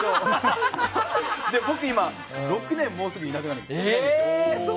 僕、今６年もうすぐいないことになるんですよ。